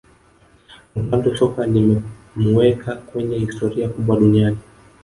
ronaldo soka limemuweka kwenye historia kubwa duniani